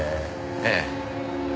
ええ。